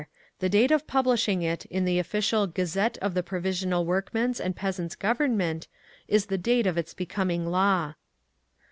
The date of publishing it in the official "Gazette of the Provisional Workmen's and Peasants' Government," is the date of its becoming law.